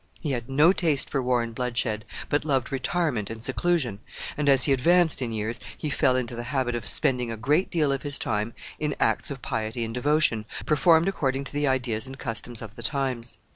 He had no taste for war and bloodshed, but loved retirement and seclusion, and, as he advanced in years, he fell into the habit of spending a great deal of his time in acts of piety and devotion, performed according to the ideas and customs of the times.